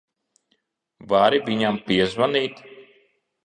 Vari viņam piezvanīt?